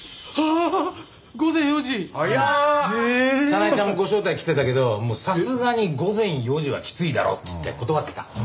早苗ちゃんもご招待来てたけどさすがに午前４時はきついだろっつって断ってた。